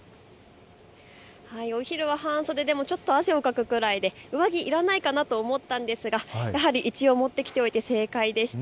お昼は半袖でもちょっと汗をかくくらいで上着いらないかなと思ったんですがやはり一応持ってきておいて正解でした。